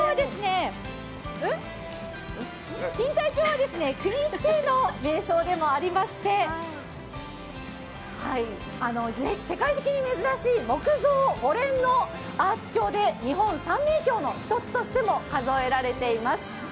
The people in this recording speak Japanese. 錦帯橋は国指定の名勝でもありまして、世界的に珍しい木造のアーチ橋で日本３名橋の一つとしても数えられています。